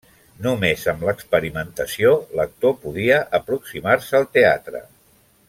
Només amb l’experimentació l’actor podia aproximar-se al teatre.